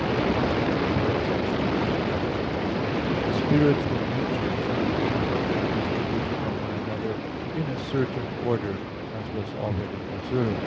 Reply Obj. 1: The spiritual natures of the angels are distinguished from one another in a certain order, as was already observed (Q.